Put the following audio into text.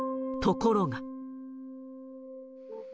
ところが。